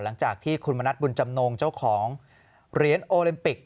หลังจากที่คุณมณัฐบุญจำนงเจ้าของเหรียญโอลิมปิก